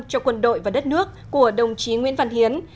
cho quân đội và đất nước của đồng chí nguyễn văn hiến